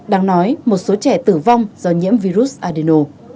đáng nói một số trẻ tử vong do nhiễm virus adeno